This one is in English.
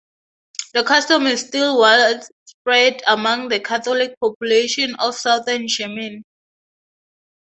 The custom is still widespread among the Catholic population of Southern Germany.